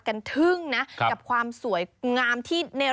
คือพี่ก็แต่งแล้วไม่เคยแม้แต่กระจกซึ่งนี้อีกเดียว